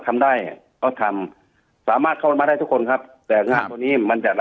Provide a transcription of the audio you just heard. ในการตรวจรับงาน